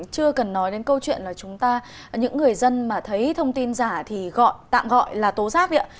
chưa cần nói đến câu chuyện là chúng ta những người dân mà thấy thông tin giả thì tạm gọi là tố giác đấy ạ